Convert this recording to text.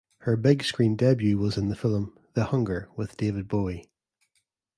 Her big screen debut was in the film "The Hunger" with David Bowie.